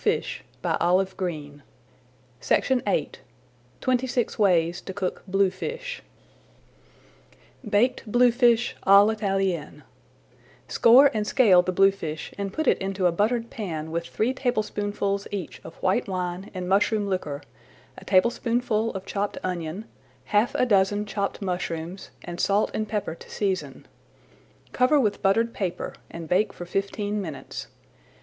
Pour over the fish and serve. [Page 69] TWENTY SIX WAYS TO COOK BLUEFISH BAKED BLUEFISH À L'ITALIENNE Score and scale the bluefish and put it into a buttered pan with three tablespoonfuls each of white wine and mushroom liquor, a tablespoonful of chopped onion, half a dozen chopped mushrooms and salt and pepper to season. Cover with buttered paper and bake for fifteen minutes.